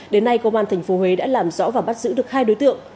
đến nay công an thành phố huế đã làm rõ và bắt giữ được hai đối tượng